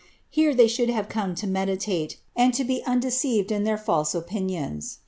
Here they should have come to id to be undeceived in their false opinions.